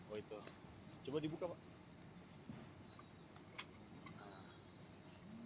oh itu coba dibuka pak